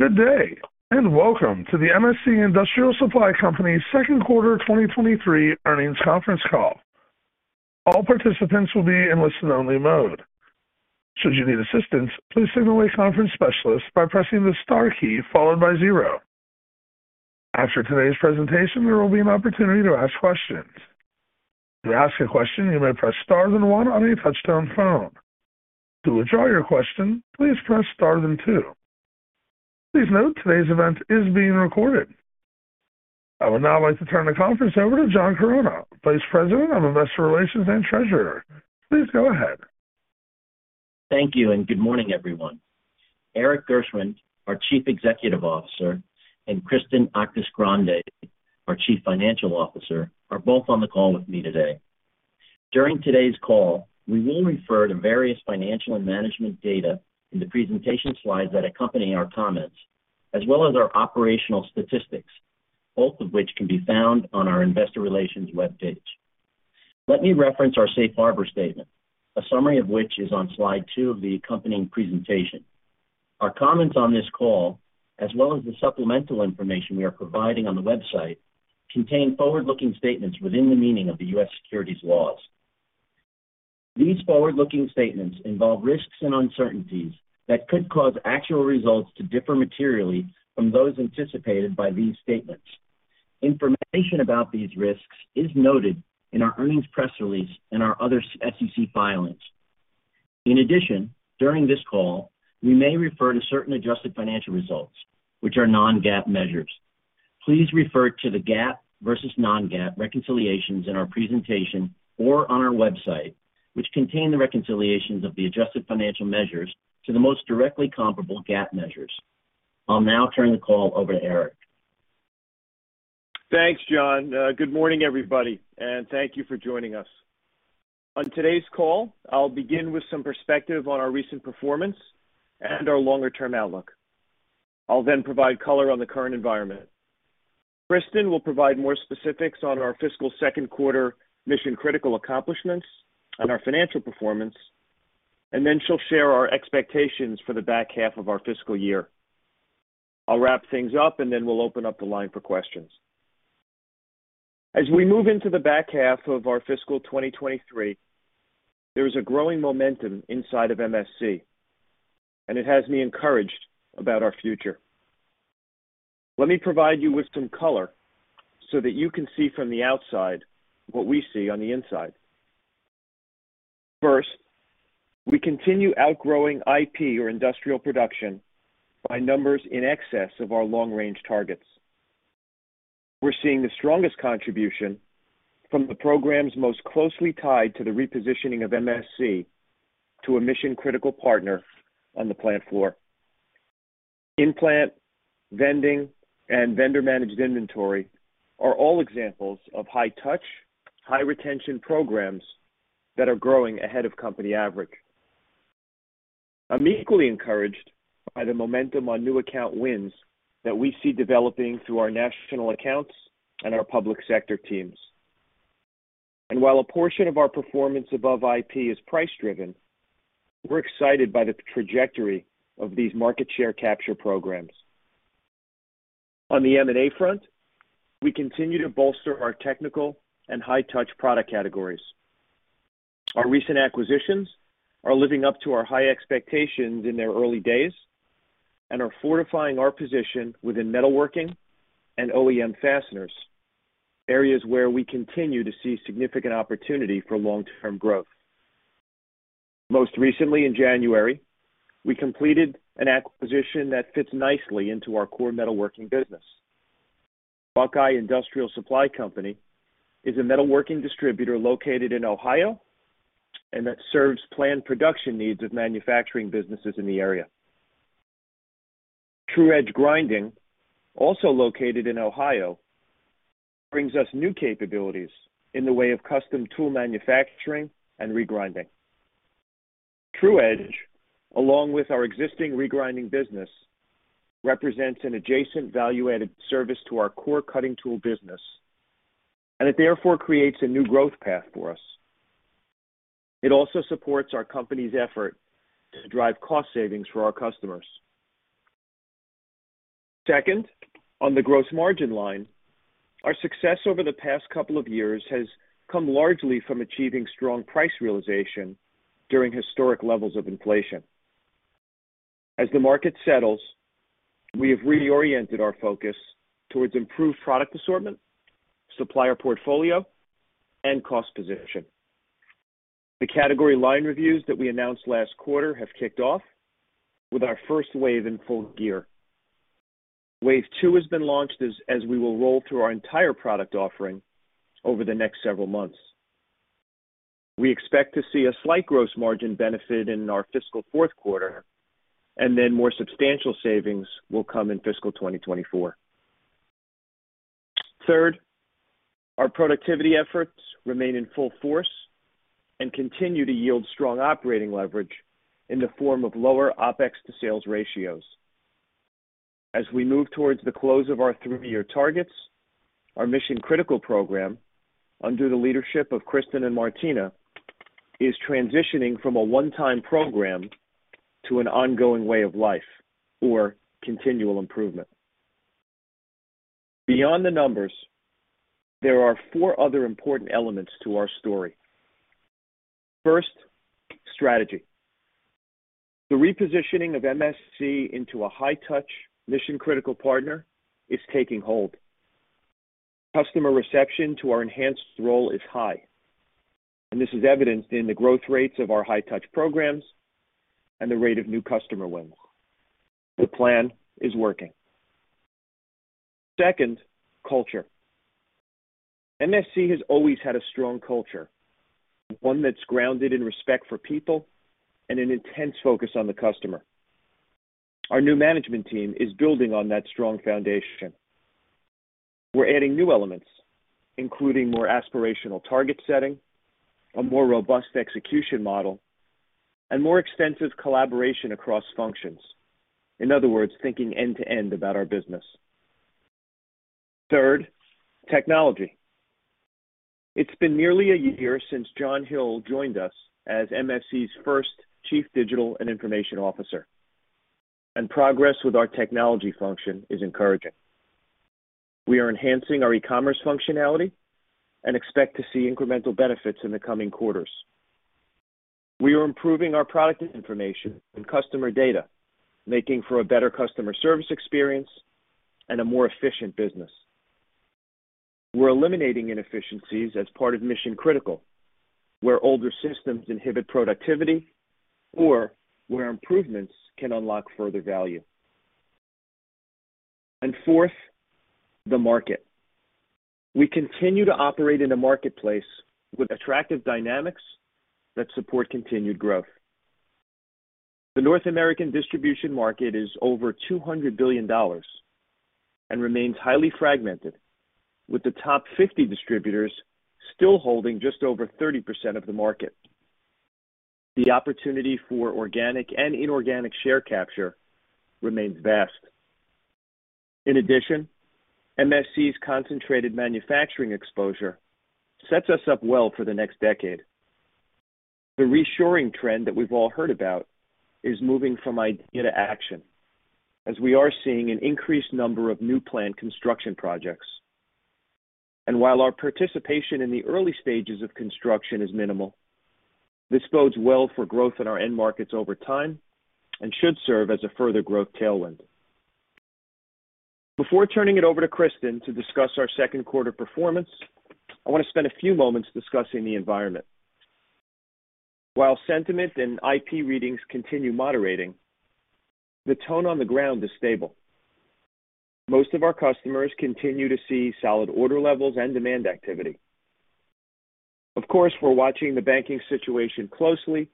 Good day. Welcome to the MSC Industrial Supply Company's 2nd quarter 2023 earnings conference call. All participants will be in listen only mode. Should you need assistance, please signal a conference specialist by pressing the star key followed by zero. After today's presentation, there will be an opportunity to ask questions. To ask a question, you may press star then one on your touchtone phone. To withdraw your question, please press star then two. Please note today's event is being recorded. I would now like to turn the conference over to John Chironna, Vice President of Investor Relations and Treasurer. Please go ahead. Thank you. Good morning, everyone. Erik Gershwind, our Chief Executive Officer, and Kristen Actis-Grande, our Chief Financial Officer, are both on the call with me today. During today's call, we will refer to various financial and management data in the presentation slides that accompany our comments, as well as our operational statistics, both of which can be found on our investor relations webpage. Let me reference our safe harbor statement, a summary of which is on slide two of the accompanying presentation. Our comments on this call, as well as the supplemental information we are providing on the website, contain forward-looking statements within the meaning of the U.S. securities laws. These forward-looking statements involve risks and uncertainties that could cause actual results to differ materially from those anticipated by these statements. Information about these risks is noted in our earnings press release and our other SEC filings. In addition during this call, we may refer to certain adjusted financial results which are non-GAAP measures. Please refer to the GAAP versus non-GAAP reconciliations in our presentation or on our website, which contain the reconciliations of the adjusted financial measures to the most directly comparable GAAP measures. I'll now turn the call over to Erik. Thanks, John. Good morning, everybody, and thank you for joining us. On today's call, I'll begin with some perspective on our recent performance and our longer term outlook. I'll then provide color on the current environment. Kristen will provide more specifics on our fiscal second quarter Mission Critical accomplishments and our financial performance, and then she'll share our expectations for the back half of our fiscal year. I'll wrap things up, and then we'll open up the line for questions. As we move into the back half of our fiscal 2023, there is a growing momentum inside of MSC, and it has me encouraged about our future. Let me provide you with some color so that you can see from the outside what we see on the inside. First, we continue outgrowing IP or industrial production by numbers in excess of our long range targets. We're seeing the strongest contribution from the programs most closely tied to the repositioning of MSC to a Mission Critical partner on the plant floor. Implant, vending, and vendor managed inventory are all examples of high touch, high retention programs that are growing ahead of company average. I'm equally encouraged by the momentum on new account wins that we see developing through our national accounts and our public sector teams. While a portion of our performance above IP is price driven, we're excited by the trajectory of these market share capture programs. On the M&A front, we continue to bolster our technical and high touch product categories. Our recent acquisitions are living up to our high expectations in their early days and are fortifying our position within metalworking and OEM fasteners, areas where we continue to see significant opportunity for long term growth. Most recently, in January, we completed an acquisition that fits nicely into our core metalworking business. Buckeye Industrial Supply Co. is a metalworking distributor located in Ohio and that serves planned production needs of manufacturing businesses in the area. Tru-Edge Grinding, also located in Ohio, brings us new capabilities in the way of custom tool manufacturing and regrinding. Tru-Edge, along with our existing regrinding business, represents an adjacent value-added service to our core cutting tool business, and it therefore creates a new growth path for us. It also supports our company's effort to drive cost savings for our customers. Second, on the gross margin line, our success over the past couple of years has come largely from achieving strong price realization during historic levels of inflation. As the market settles, we have reoriented our focus towards improved product assortment, supplier portfolio, and cost position. The category line reviews that we announced last quarter have kicked off with our first wave in full gear. Wave two has been launched as we will roll through our entire product offering over the next several months. We expect to see a slight gross margin benefit in our fiscal 4th quarter. More substantial savings will come in fiscal 2024. Our productivity efforts remain in full force and continue to yield strong operating leverage in the form of lower OpEx to sales ratios. As we move towards the close of our three-year targets, our Mission Critical program, under the leadership of Kristen and Martina, is transitioning from a one-time program to an ongoing way of life or continual improvement. Beyond the numbers, there are four other important elements to our story. First strategy. The repositioning of MSC into a high touch Mission Critical partner is taking hold. Customer reception to our enhanced role is high, and this is evidenced in the growth rates of our high touch programs and the rate of new customer wins. The plan is working. Second, culture. MSC has always had a strong culture, one that's grounded in respect for people and an intense focus on the customer. Our new management team is building on that strong foundation. We're adding new elements, including more aspirational target setting, a more robust execution model, and more extensive collaboration across functions. In other words, thinking end to end about our business. Third, technology. It's been nearly a year since John Hill joined us as MSC's first Chief Digital and Information Officer, and progress with our technology function is encouraging. We are enhancing our E-Commerce functionality and expect to see incremental benefits in the coming quarters. We are improving our product information and customer data, making for a better customer service experience and a more efficient business. We're eliminating inefficiencies as part of Mission Critical, where older systems inhibit productivity or where improvements can unlock further value. Fourth, the market. We continue to operate in a marketplace with attractive dynamics that support continued growth. The North American distribution market is over $200 billion and remains highly fragmented, with the top 50 distributors still holding just over 30% of the market. The opportunity for organic and inorganic share capture remains vast. In addition, MSC's concentrated manufacturing exposure sets us up well for the next decade. The reshoring trend that we've all heard about is moving from idea to action, as we are seeing an increased number of new plant construction projects. While our participation in the early stages of construction is minimal, this bodes well for growth in our end markets over time and should serve as a further growth tailwind. Before turning it over to Kristen to discuss our second quarter performance, I want to spend a few moments discussing the environment. While sentiment and IP readings continue moderating, the tone on the ground is stable. Most of our customers continue to see solid order levels and demand activity. Of course, we're watching the banking situation closely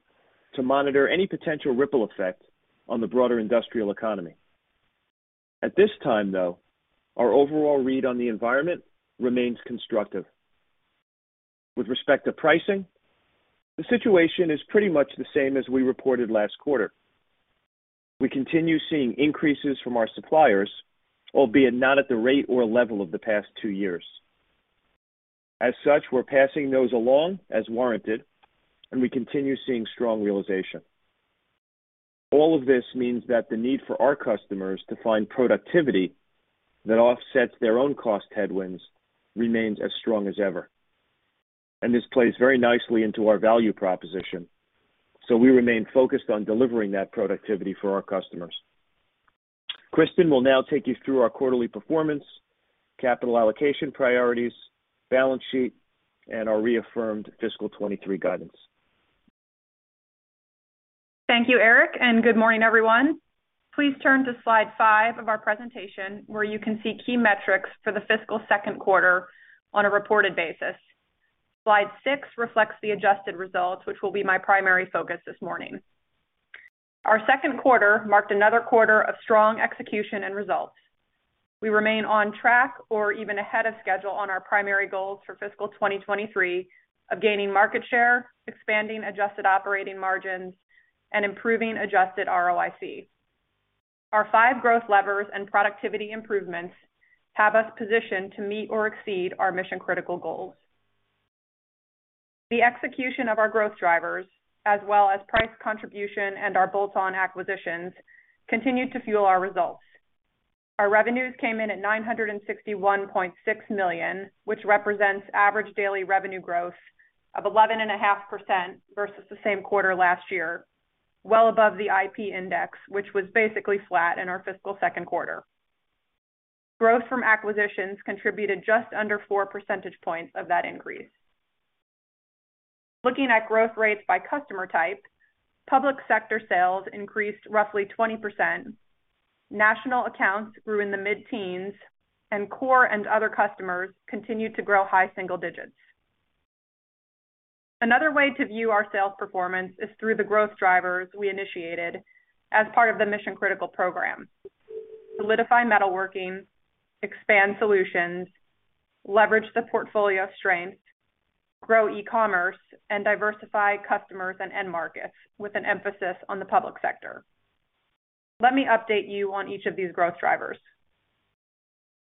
to monitor any potential ripple effect on the broader industrial economy. At this time, though, our overall read on the environment remains constructive. With respect to pricing, the situation is pretty much the same as we reported last quarter. We continue seeing increases from our suppliers, albeit not at the rate or level of the past 2 years. As such, we're passing those along as warranted, and we continue seeing strong realization. All of this means that the need for our customers to find productivity that offsets their own cost headwinds remains as strong as ever. This plays very nicely into our value proposition. We remain focused on delivering that productivity for our customers. Kristen will now take you through our quarterly performance, capital allocation priorities, balance sheet, and our reaffirmed fiscal 2023 guidance. Thank you, Erik, and good morning, everyone. Please turn to slide five of our presentation, where you can see key metrics for the fiscal second quarter on a reported basis. Slide six reflects the adjusted results, which will be my primary focus this morning. Our second quarter marked another quarter of strong execution and results. We remain on track or even ahead of schedule on our primary goals for fiscal 2023 of gaining market share, expanding adjusted operating margins, and improving adjusted ROIC. Our five growth levers and productivity improvements have us positioned to meet or exceed our Mission Critical goals. The execution of our growth drivers as well as price contribution and our bolt-on acquisitions continued to fuel our results. Our revenues came in at $961.6 million, which represents average daily revenue growth of 11.5% versus the same quarter last year, well above the IP index, which was basically flat in our fiscal second quarter. Growth from acquisitions contributed just under 4 percentage points of that increase. Looking at growth rates by customer type, public sector sales increased roughly 20%. National accounts grew in the mid-teens, and core and other customers continued to grow high single digits. Another way to view our sales performance is through the growth drivers we initiated as part of the Mission Critical program. Solidify metalworking, expand solutions, leverage the portfolio strength, grow E-Commerce, and diversify customers and end markets with an emphasis on the public sector. Let me update you on each of these growth drivers.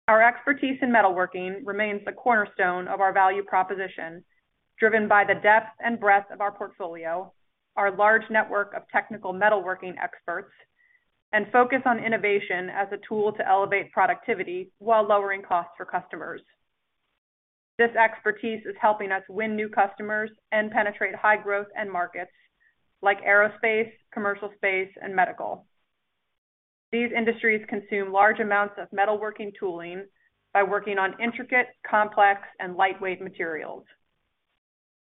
Our expertise in metalworking remains the cornerstone of our value proposition, driven by the depth and breadth of our portfolio, our large network of technical metalworking experts, and focus on innovation as a tool to elevate productivity while lowering costs for customers. This expertise is helping us win new customers and penetrate high growth end markets like aerospace, commercial space, and medical. These industries consume large amounts of metalworking tooling by working on intricate, complex, and lightweight materials.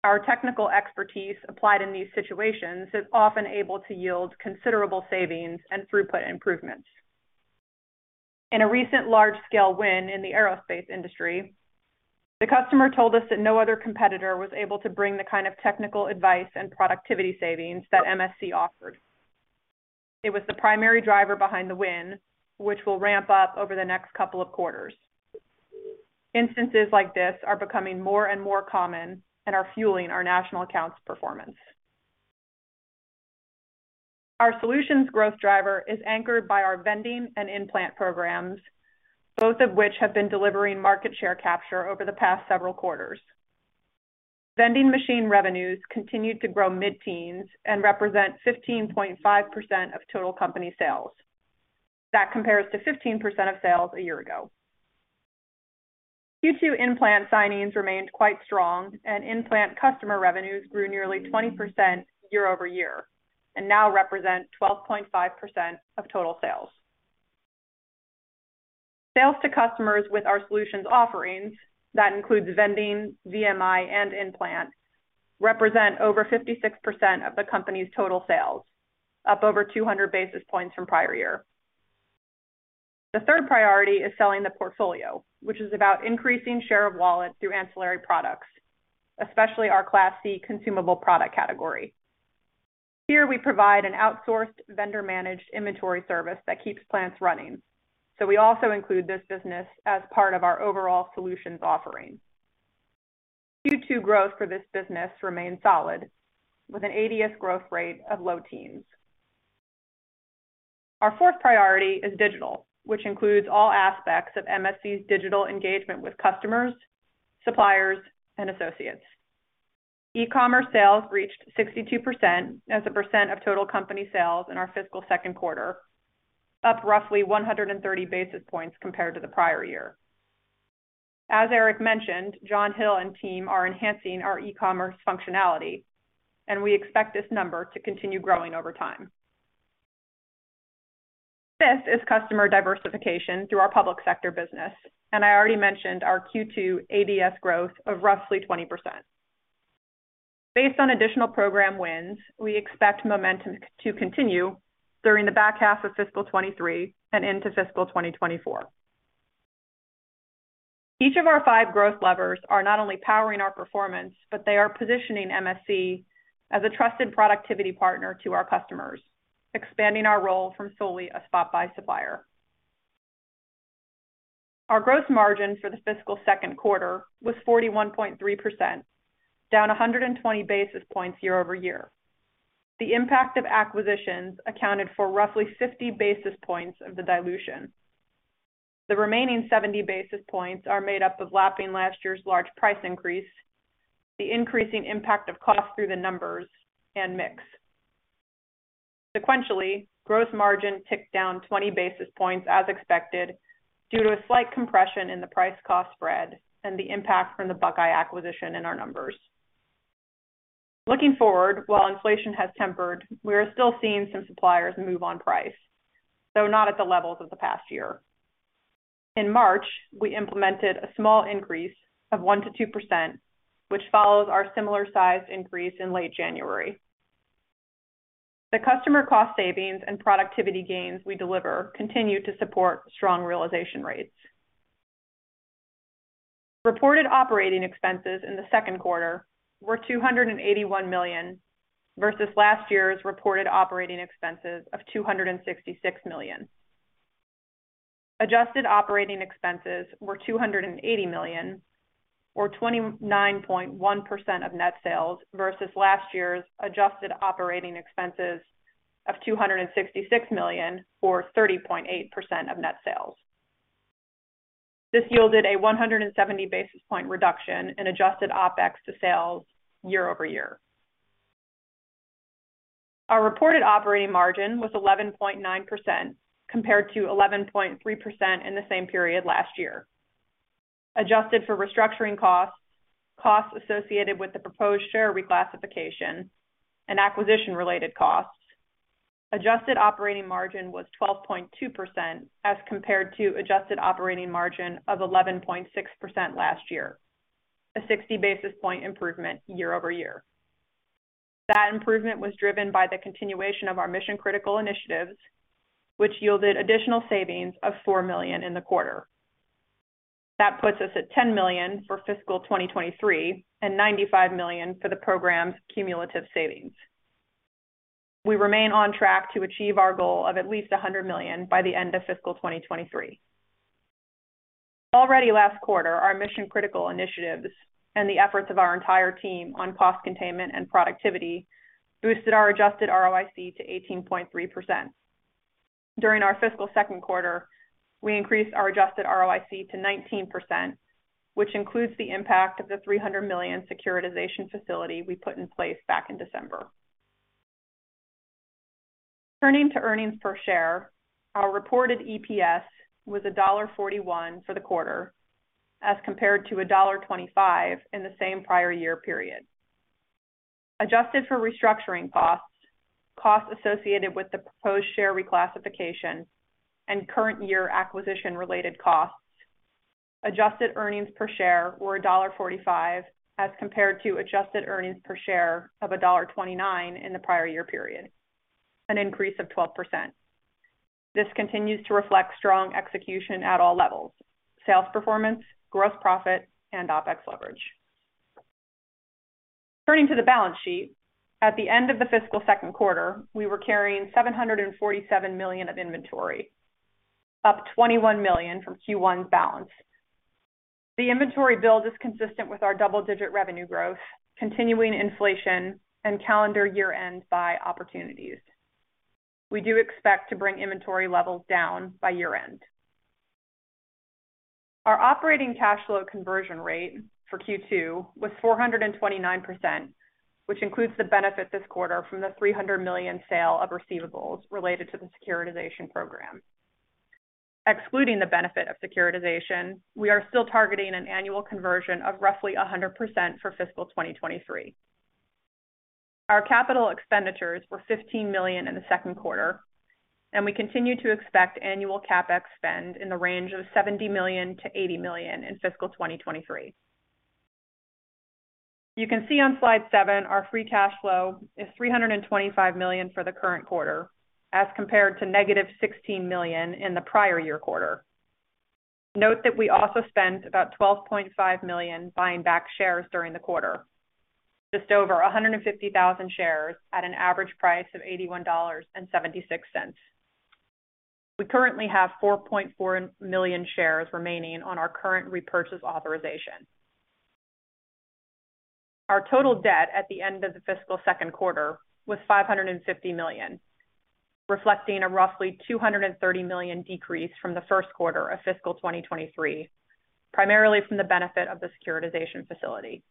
Our technical expertise applied in these situations is often able to yield considerable savings and throughput improvements. In a recent large-scale win in the aerospace industry, the customer told us that no other competitor was able to bring the kind of technical advice and productivity savings that MSC offered. It was the primary driver behind the win, which will ramp up over the next couple of quarters. Instances like this are becoming more and more common and are fueling our national accounts performance. Our solutions growth driver is anchored by our vending and implant programs, both of which have been delivering market share capture over the past several quarters. Vending machine revenues continued to grow mid-teens and represent 15.5% of total company sales. That compares to 15% of sales a year ago. Q2 implant signings remained quite strong, and implant customer revenues grew nearly 20% year-over-year and now represent 12.5% of total sales. Sales to customers with our solutions offerings, that includes vending, VMI, and implant, represent over 56% of the company's total sales, up over 200 basis points from prior year. The third priority is selling the portfolio, which is about increasing share of wallet through ancillary products, especially our Class C consumable product category. Here we provide an outsourced vendor-managed inventory service that keeps plants running, so we also include this business as part of our overall solutions offering. Q2 growth for this business remains solid, with an ADS growth rate of low teens. Our fourth priority is digital, which includes all aspects of MSC's digital engagement with customers, suppliers, and associates. E-Commerce sales reached 62% as a percent of total company sales in our fiscal second quarter, up roughly 130 basis points compared to the prior year. As Erik mentioned, John Hill and team are enhancing our E-Commerce functionality, and we expect this number to continue growing over time. Fifth is customer diversification through our public sector business, and I already mentioned our Q2 ADS growth of roughly 20%. Based on additional program wins, we expect momentum to continue during the back half of fiscal 2023 and into fiscal 2024. Each of our five growth levers are not only powering our performance, but they are positioning MSC as a trusted productivity partner to our customers, expanding our role from solely a spot buy supplier. Our gross margin for the fiscal second quarter was 41.3%, down 120 basis points year-over-year. The impact of acquisitions accounted for roughly 50 basis points of the dilution. The remaining 70 basis points are made up of lapping last year's large price increase, the increasing impact of costs through the numbers, and mix. Sequentially, gross margin ticked down 20 basis points as expected due to a slight compression in the price-cost spread and the impact from the Buckeye acquisition in our numbers. Looking forward, while inflation has tempered, we are still seeing some suppliers move on price, though not at the levels of the past year. In March, we implemented a small increase of 1%-2%, which follows our similar-sized increase in late January. The customer cost savings and productivity gains we deliver continue to support strong realization rates. Reported operating expenses in the second quarter were $281 million versus last year's reported operating expenses of $266 million. Adjusted operating expenses were $280 million or 29.1% of net sales versus last year's adjusted operating expenses of $266 million or 30.8% of net sales. This yielded a 170 basis point reduction in adjusted OpEx to sales year-over-year. Our reported operating margin was 11.9% compared to 11.3% in the same period last year. Adjusted for restructuring costs associated with the proposed share reclassification, and acquisition-related costs, adjusted operating margin was 12.2% as compared to adjusted operating margin of 11.6% last year, a 60 basis point improvement year-over-year. That improvement was driven by the continuation of our Mission Critical initiatives, which yielded additional savings of $4 million in the quarter. That puts us at $10 million for fiscal 2023 and $95 million for the program's cumulative savings. We remain on track to achieve our goal of at least $100 million by the end of fiscal 2023. Last quarter, our Mission Critical initiatives and the efforts of our entire team on cost containment and productivity boosted our adjusted ROIC to 18.3%. During our fiscal second quarter, we increased our adjusted ROIC to 19%, which includes the impact of the $300 million securitization facility we put in place back in December. Turning to earnings per share, our reported EPS was $1.41 for the quarter as compared to $1.25 in the same prior year period. Adjusted for restructuring costs associated with the proposed share reclassification and current year acquisition-related costs, adjusted earnings per share were $1.45 as compared to adjusted earnings per share of $1.29 in the prior year period, an increase of 12%. This continues to reflect strong execution at all levels, sales performance, gross profit, and OpEx leverage. Turning to the balance sheet, at the end of the fiscal second quarter, we were carrying $747 million of inventory, up $21 million from Q1 balance. The inventory build is consistent with our double-digit revenue growth, continuing inflation and calendar year-end buy opportunities. We do expect to bring inventory levels down by year-end. Our operating cash flow conversion rate for Q2 was 429%, which includes the benefit this quarter from the $300 million sale of receivables related to the securitization program. Excluding the benefit of securitization, we are still targeting an annual conversion of roughly 100% for fiscal 2023. Our capital expenditures were $15 million in the second quarter, and we continue to expect annual CapEx spend in the range of $70 million-$80 million in fiscal 2023. You can see on slide seven, our free cash flow is $325 million for the current quarter as compared to negative $16 million in the prior year quarter. Note that we also spent about $12.5 million buying back shares during the quarter. Just over 150,000 shares at an average price of $81.76. We currently have 4.4 million shares remaining on our current repurchase authorization. Our total debt at the end of the fiscal second quarter was $550 million, reflecting a roughly $230 million decrease from the first quarter of fiscal 2023, primarily from the benefit of the securitization facility.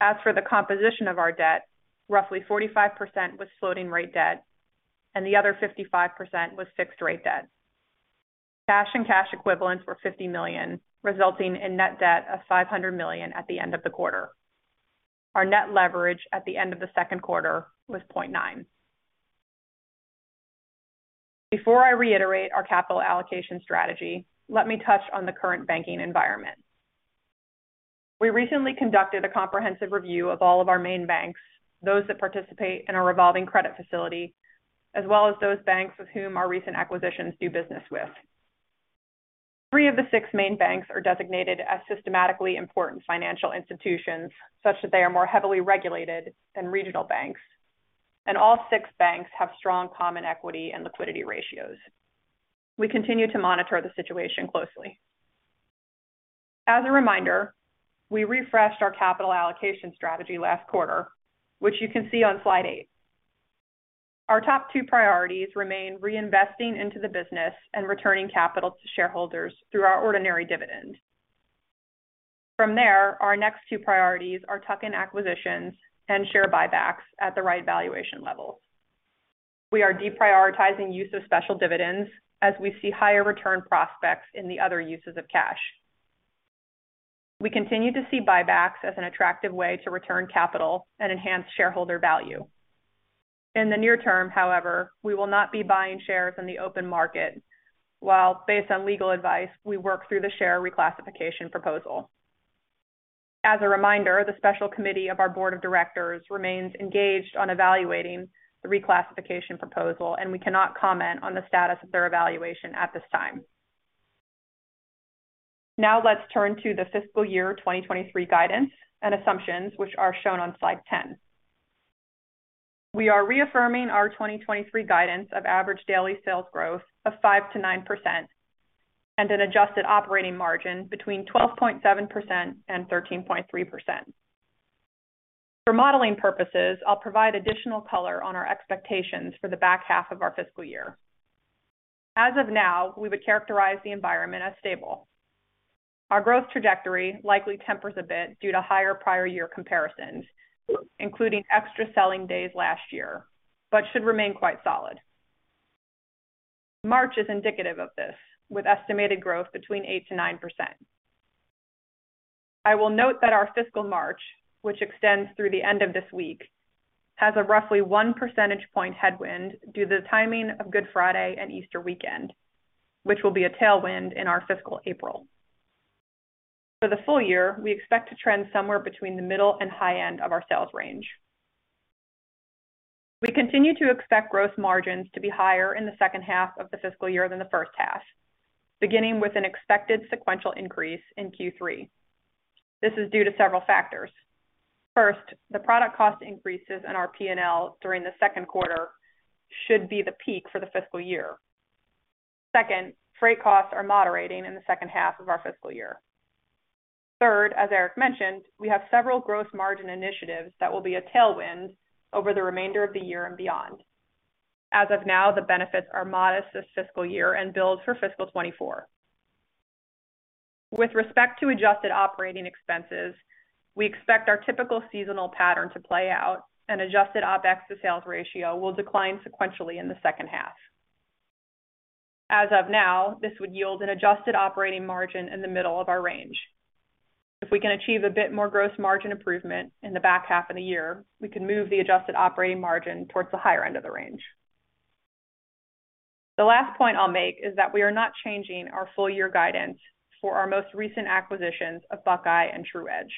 As for the composition of our debt, roughly 45% was floating rate debt and the other 55% was fixed rate debt. Cash and cash equivalents were $50 million, resulting in net debt of $500 million at the end of the quarter. Our net leverage at the end of the second quarter was 0.9. Before I reiterate our capital allocation strategy, let me touch on the current banking environment. We recently conducted a comprehensive review of all of our main banks, those that participate in our revolving credit facility, as well as those banks with whom our recent acquisitions do business with. Three of the six main banks are designated as systemically important financial institutions such that they are more heavily regulated than regional banks, and all six banks have strong common equity and liquidity ratios. We continue to monitor the situation closely. As a reminder, we refreshed our capital allocation strategy last quarter, which you can see on slide eight. Our top two priorities remain reinvesting into the business and returning capital to shareholders through our ordinary dividend. Our next two priorities are tuck-in acquisitions and share buybacks at the right valuation levels. We are deprioritizing use of special dividends as we see higher return prospects in the other uses of cash. We continue to see buybacks as an attractive way to return capital and enhance shareholder value. In the near term, however, we will not be buying shares in the open market while based on legal advice, we work through the share reclassification proposal. As a reminder, the special committee of our board of directors remains engaged on evaluating the reclassification proposal, and we cannot comment on the status of their evaluation at this time. Let's turn to the fiscal year 2023 guidance and assumptions, which are shown on slide 10. We are reaffirming our 2023 guidance of average daily sales growth of 5%-9% and an adjusted operating margin between 12.7% and 13.3%. For modeling purposes, I'll provide additional color on our expectations for the back half of our fiscal year. As of now, we would characterize the environment as stable. Our growth trajectory likely tempers a bit due to higher prior year comparisons, including extra selling days last year, but should remain quite solid. March is indicative of this, with estimated growth between 8%-9%. I will note that our fiscal March, which extends through the end of this week, has a roughly 1 percentage point headwind due to the timing of Good Friday and Easter weekend, which will be a tailwind in our fiscal April. For the full year, we expect to trend somewhere between the middle and high end of our sales range. We continue to expect gross margins to be higher in the second half of the fiscal year than the first half, beginning with an expected sequential increase in Q3. This is due to several factors. First, the product cost increases in our P&L during the second quarter should be the peak for the fiscal year. Second, freight costs are moderating in the second half of our fiscal year. Third, as Erik mentioned, we have several gross margin initiatives that will be a tailwind over the remainder of the year and beyond. As of now, the benefits are modest this fiscal year and build for fiscal 2024. With respect to adjusted operating expenses, we expect our typical seasonal pattern to play out and adjusted OpEx to sales ratio will decline sequentially in the second half. As of now, this would yield an adjusted operating margin in the middle of our range. If we can achieve a bit more gross margin improvement in the back half of the year, we can move the adjusted operating margin towards the higher end of the range. The last point I'll make is that we are not changing our full year guidance for our most recent acquisitions of Buckeye and Tru-Edge.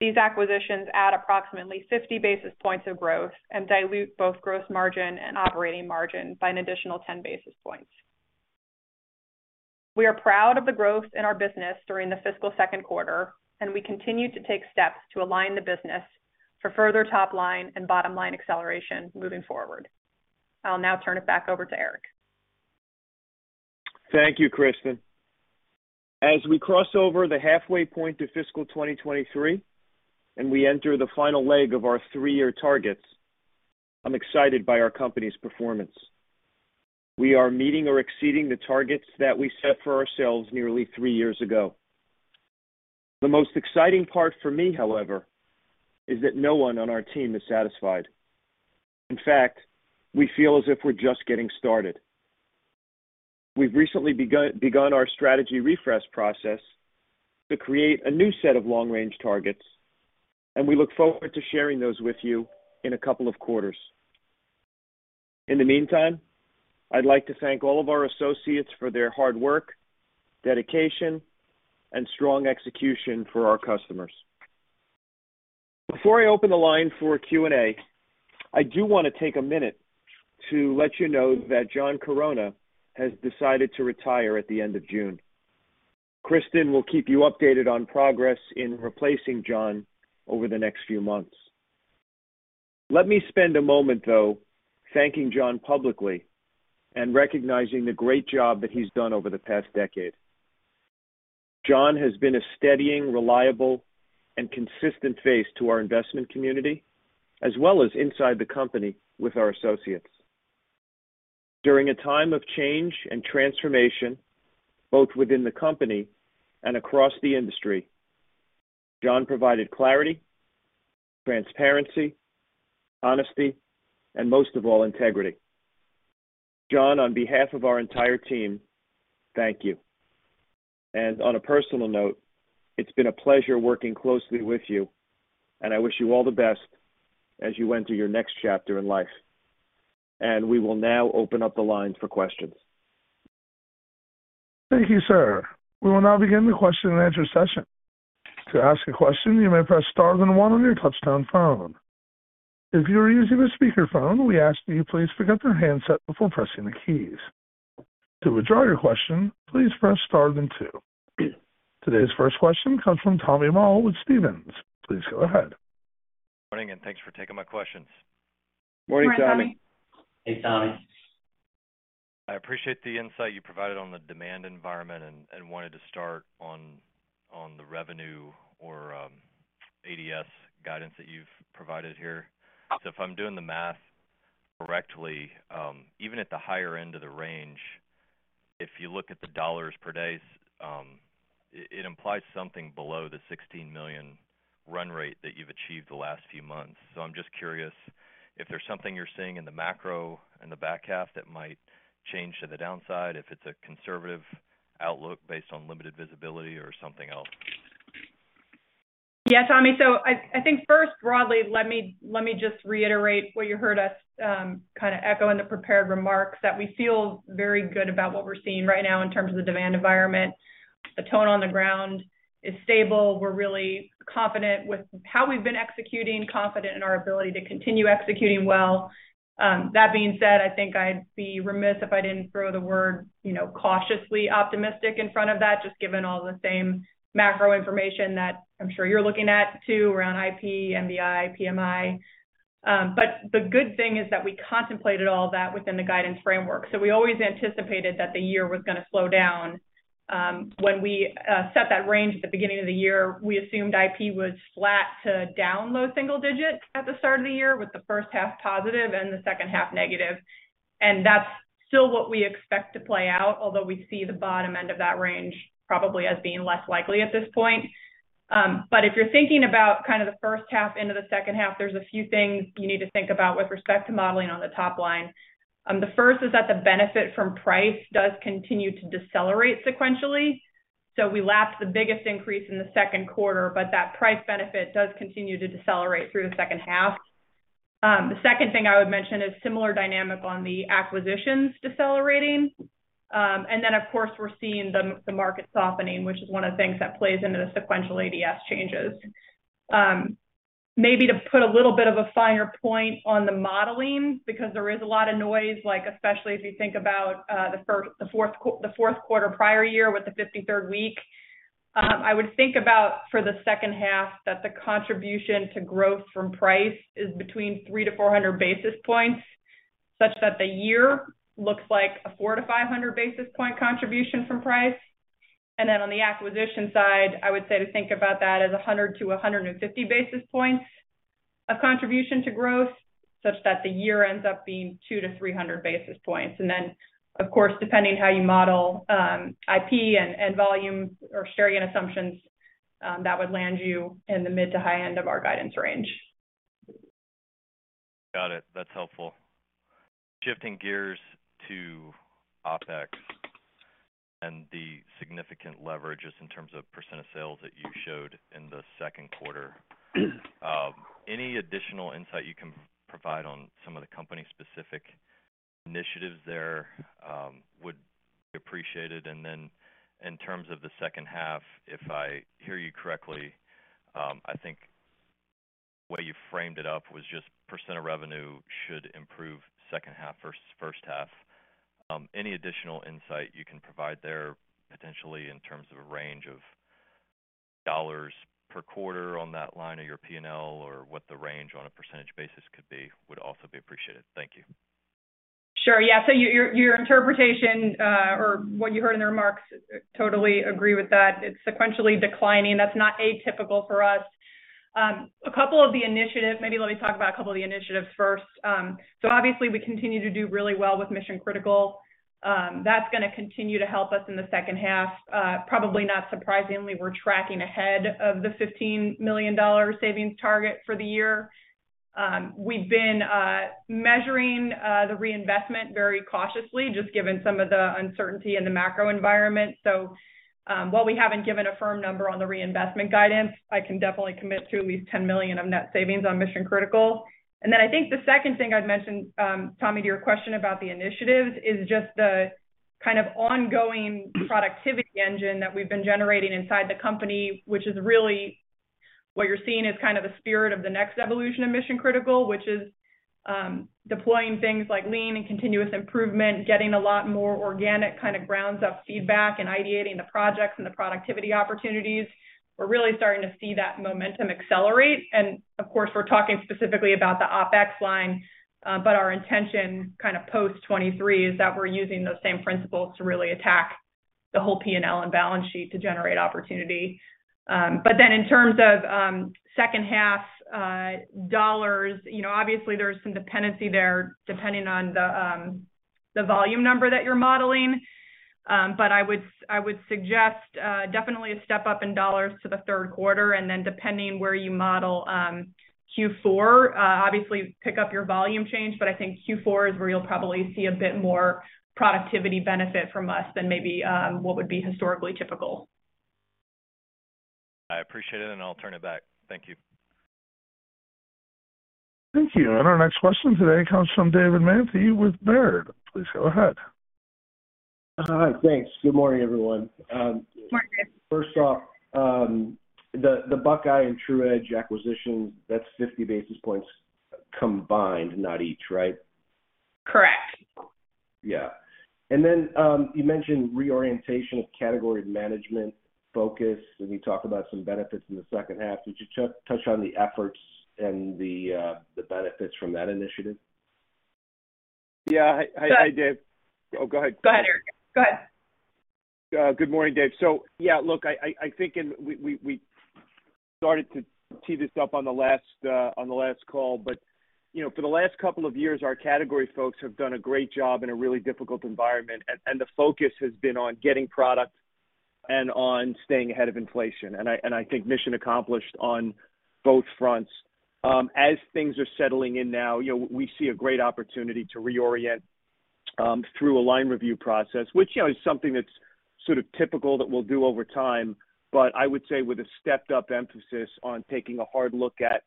These acquisitions add approximately 50 basis points of growth and dilute both gross margin and operating margin by an additional 10 basis points. We are proud of the growth in our business during the fiscal second quarter, we continue to take steps to align the business for further top line and bottom line acceleration moving forward. I'll now turn it back over to Erik. Thank you, Kristen. As we cross over the halfway point to fiscal 2023, we enter the final leg of our three-year targets, I'm excited by our company's performance. We are meeting or exceeding the targets that we set for ourselves nearly three years ago. The most exciting part for me, however, is that no one on our team is satisfied. In fact, we feel as if we're just getting started. We've recently begun our strategy refresh process to create a new set of long-range targets. We look forward to sharing those with you in a couple of quarters. In the meantime, I'd like to thank all of our associates for their hard work, dedication, and strong execution for our customers. Before I open the line for Q&A, I do wanna take a minute to let you know that John Chironna has decided to retire at the end of June. Kristen will keep you updated on progress in replacing John over the next few months. Let me spend a moment, though, thanking John publicly and recognizing the great job that he's done over the past decade. John has been a steadying, reliable, and consistent face to our investment community, as well as inside the company with our associates. During a time of change and transformation, both within the company and across the industry, John provided clarity, transparency, honesty, and most of all, integrity. John, on behalf of our entire team, thank you. On a personal note, it's been a pleasure working closely with you, and I wish you all the best as you enter your next chapter in life. We will now open up the lines for questions. Thank you, sir. We will now begin the question and answer session. To ask a question, you may press star then one on your touchtone phone. If you are using a speaker phone, we ask that you please pick up the handset before pressing the keys. To withdraw your question, please press star then two. Today's first question comes from Tommy Moll with Stephens. Please go ahead. Morning. Thanks for taking my questions. Morning, Tommy. Morning, Tommy. Hey, Tommy. I appreciate the insight you provided on the demand environment and wanted to start on the revenue or ADS guidance that you've provided here. If I'm doing the math correctly, even at the higher end of the range, if you look at the dollars per day, it implies something below the $16 million run rate that you've achieved the last few months. I'm just curious if there's something you're seeing in the macro in the back half that might change to the downside, if it's a conservative outlook based on limited visibility or something else? Yeah, Tommy. I think first, broadly, let me just reiterate what you heard us kind of echo in the prepared remarks that we feel very good about what we're seeing right now in terms of the demand environment. The tone on the ground is stable. We're really confident with how we've been executing, confident in our ability to continue executing well. That being said, I think I'd be remiss if I didn't throw the word, you know, cautiously optimistic in front of that, just given all the same macro information that I'm sure you're looking at too, around IP, MBI, PMI. The good thing is that we contemplated all that within the guidance framework. We always anticipated that the year was gonna slow down. When we set that range at the beginning of the year, we assumed IP was flat to down low single-digit at the start of the year with the first half positive and the second half negative. That's still what we expect to play out, although we see the bottom end of that range probably as being less likely at this point. If you're thinking about kind of the first half into the second half, there's a few things you need to think about with respect to modeling on the top line. The first is that the benefit from price does continue to decelerate sequentially. We lapsed the biggest increase in the second quarter, but that price benefit does continue to decelerate through the second half. The second thing I would mention is similar dynamic on the acquisitions decelerating. Of course, we're seeing the market softening, which is one of the things that plays into the sequential ADS changes. Maybe to put a little bit of a finer point on the modeling, because there is a lot of noise, especially if you think about the fourth quarter prior year with the 53rd week, I would think about for the second half that the contribution to growth from price is between 300-400 basis points. Such that the year looks like a 400-500 basis point contribution from price. On the acquisition side, I would say to think about that as 100-150 basis points of contribution to growth, such that the year ends up being 200-300 basis points. Of course, depending how you model, IP and volume or share gain assumptions, that would land you in the mid to high end of our guidance range. Got it. That's helpful. Shifting gears to OpEx and the significant leverages in terms of percent of sales that you showed in the second quarter. Any additional insight you can provide on some of the company specific initiatives there, would be appreciated. In terms of the second half, if I hear you correctly, I think the way you framed it up was just percent of revenue should improve second half versus first half. Any additional insight you can provide there potentially in terms of a range of dollars per quarter on that line of your P&L or what the range on a percentage basis could be would also be appreciated. Thank you. Sure. Yeah. Your interpretation, or what you heard in the remarks, totally agree with that. It's sequentially declining. That's not atypical for us. A couple of the initiatives. Maybe let me talk about a couple of the initiatives first. Obviously we continue to do really well with Mission Critical. That's gonna continue to help us in the second half. Probably not surprisingly, we're tracking ahead of the $15 million savings target for the year. We've been measuring the reinvestment very cautiously, just given some of the uncertainty in the macro environment. While we haven't given a firm number on the reinvestment guidance, I can definitely commit to at least $10 million of net savings on Mission Critical. I think the second thing I'd mention, Tommy, to your question about the initiatives is just the kind of ongoing productivity engine that we've been generating inside the company, which is really what you're seeing is kind of the spirit of the next evolution of Mission Critical, which is deploying things like lean and continuous improvement, getting a lot more organic kind of grounds up feedback and ideating the projects and the productivity opportunities. We're really starting to see that momentum accelerate. We're talking specifically about the OpEx line, but our intention kind of post 2023 is that we're using those same principles to really attack the whole P&L and balance sheet to generate opportunity. In terms of, second half, dollars, you know, obviously there's some dependency there, depending on the volume number that you're modeling. I would suggest, definitely a step up in dollars to the third quarter, and then depending where you model, Q4, obviously pick up your volume change. I think Q4 is where you'll probably see a bit more productivity benefit from us than maybe, what would be historically typical. I appreciate it, and I'll turn it back. Thank you. Thank you. Our next question today comes from David Manthey with Baird. Please go ahead. Hi. Thanks. Good morning, everyone. Morning. First off, the Buckeye and Tru-Edge acquisition, that's 50 basis points combined, not each, right? Correct. Yeah. You mentioned reorientation of category management focus, and you talked about some benefits in the second half. Could you touch on the efforts and the benefits from that initiative? Yeah. Hi, Dave. Go ahead. Oh, go ahead. Go ahead, Erik. Good morning, Dave. Yeah, look, I think and we started to tee this up on the last on the last call, but, you know, for the last couple of years, our category folks have done a great job in a really difficult environment, and the focus has been on getting product and on staying ahead of inflation. I think mission accomplished on both fronts. As things are settling in now, you know, we see a great opportunity to reorient through a line review process, which, you know, is something that's sort of typical that we'll do over time, but I would say with a stepped up emphasis on taking a hard look at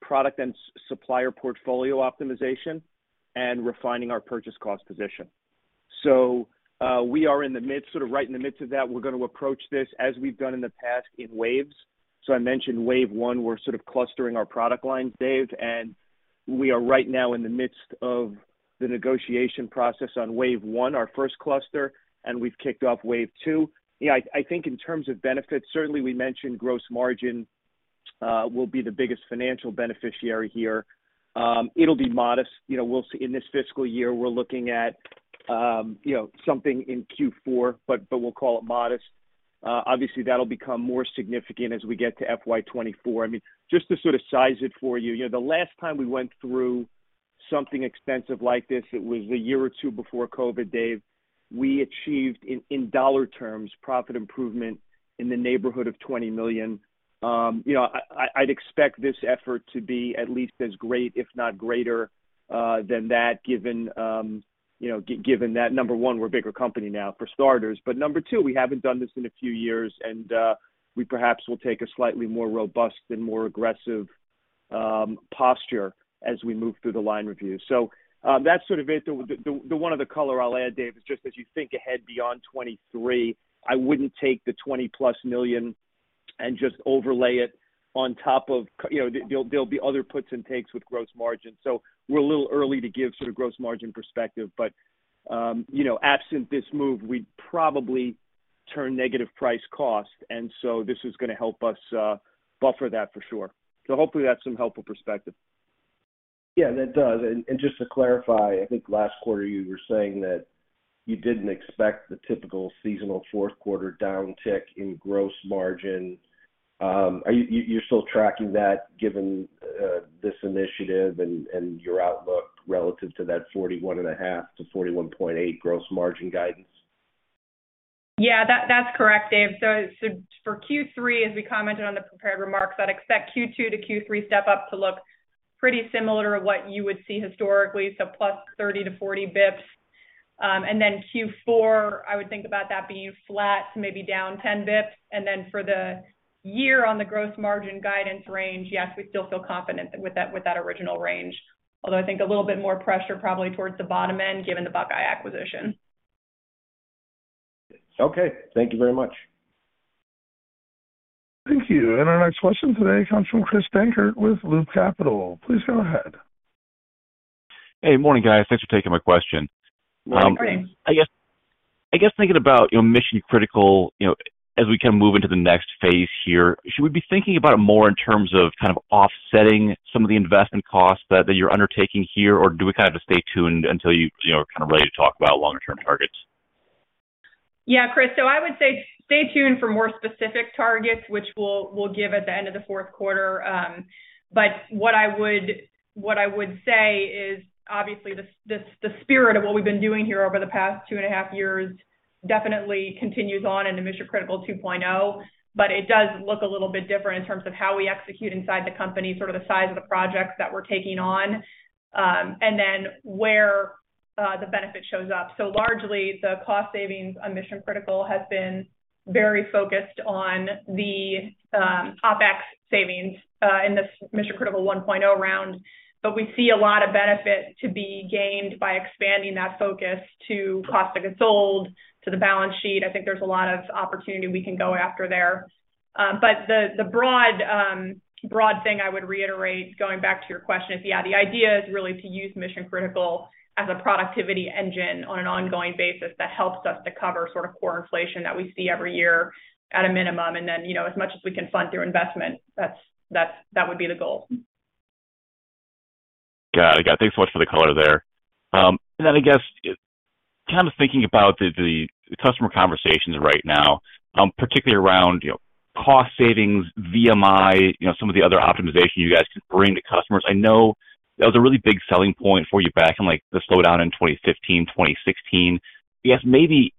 product and supplier portfolio optimization and refining our purchase cost position. We are sort of right in the midst of that. We're gonna approach this as we've done in the past in waves. I mentioned wave one, we're sort of clustering our product lines, Dave, and we are right now in the midst of the negotiation process on wave one, our first cluster, and we've kicked off wave two. Yeah, I think in terms of benefits, certainly we mentioned gross margin will be the biggest financial beneficiary here. It'll be modest. You know, we'll see in this fiscal year, we're looking at, you know, something in Q4, but we'll call it modest. Obviously, that'll become more significant as we get to FY 2024. I mean, just to sort of size it for you know, the last time we went through something expensive like this, it was a year or two before COVID, Dave. We achieved in dollar terms, profit improvement in the neighborhood of $20 million. You know, I'd expect this effort to be at least as great, if not greater, than that given, you know, given that, number one, we're a bigger company now for starters. Number two, we haven't done this in a few years, and we perhaps will take a slightly more robust and more aggressive posture as we move through the line review. That's sort of it. The one other color I'll add, Dave, is just as you think ahead beyond 2023, I wouldn't take the $20+ million and just overlay it on top of. You know, there'll be other puts and takes with gross margin. We're a little early to give sort of gross margin perspective, but, you know, absent this move, we'd probably turn negative price cost. This is gonna help us buffer that for sure. Hopefully that's some helpful perspective. Yeah, that does. Just to clarify, I think last quarter you were saying that you didn't expect the typical seasonal fourth quarter downtick in gross margin. Are you still tracking that given this initiative and your outlook relative to that 41.5%-41.8% gross margin guidance? Yeah, that's correct, Dave. For Q3, as we commented on the prepared remarks, I'd expect Q2 to Q3 step up to look pretty similar to what you would see historically, so plus 30-40 bps. Then Q4, I would think about that being flat to maybe down 10 bps. Then for the year on the gross margin guidance range, yes, we still feel confident with that original range. Although I think a little bit more pressure probably towards the bottom end given the Buckeye acquisition. Okay. Thank you very much. Thank you. Our next question today comes from Chris Dankert with Loop Capital. Please go ahead. Hey, morning, guys. Thanks for taking my question. Morning. I guess thinking about, you know, Mission Critical, you know, as we can move into the next phase here, should we be thinking about it more in terms of kind of offsetting some of the investment costs that you're undertaking here? Do we kinda have to stay tuned until you know, are kinda ready to talk about longer term targets? Yeah, Chris. I would say stay tuned for more specific targets, which we'll give at the end of the fourth quarter. What I would say is obviously the the spirit of what we've been doing here over the past two and a half years definitely continues on into Mission Critical 2.0, but it does look a little bit different in terms of how we execute inside the company, sort of the size of the projects that we're taking on, and then where the benefit shows up. Largely, the cost savings on Mission Critical has been very focused on the OpEx savings in this Mission Critical 1.0 round. We see a lot of benefit to be gained by expanding that focus to cost of goods sold to the balance sheet. I think there's a lot of opportunity we can go after there. The broad thing I would reiterate, going back to your question is, yeah, the idea is really to use Mission Critical as a productivity engine on an ongoing basis that helps us to cover sort of core inflation that we see every year at a minimum. Then, you know, as much as we can fund through investment, that would be the goal. Got it. Thanks so much for the color there. I guess, kind of thinking about the customer conversations right now, particularly around, you know, cost savings, VMI, you know, some of the other optimization you guys can bring to customers. I know that was a really big selling point for you back in, like, the slowdown in 2015, 2016. I guess maybe,